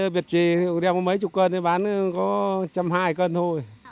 việc chỉ đem mấy chục cân thì bán có trăm hai cân thôi